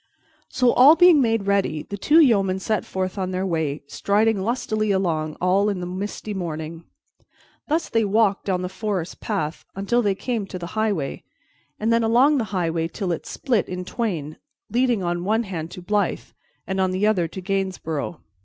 So, all being made ready, the two yeomen set forth on their way, striding lustily along all in the misty morning. Thus they walked down the forest path until they came to the highway, and then along the highway till it split in twain, leading on one hand to Blyth and on the other to Gainsborough.